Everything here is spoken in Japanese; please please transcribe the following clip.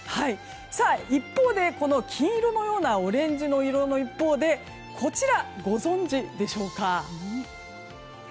この黄色のようなオレンジ色の一方でこちら、ご存じでしょうか。